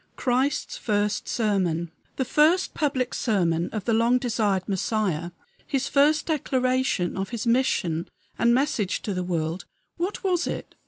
XI CHRIST'S FIRST SERMON The first public sermon of the long desired Messiah his first declaration of his mission and message to the world what was it?